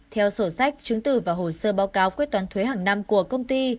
theo sổ sách chứng từ và hồ sơ báo cáo quyết toán thuế hàng năm của công ty